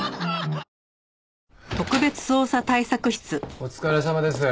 お疲れさまです。